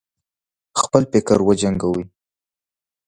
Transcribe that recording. خپل فکر وجنګوي.